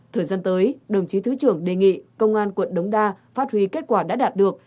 thời gian tới đồng chí thứ trưởng đề nghị công an quận đống đa phát huy kết quả đã đạt được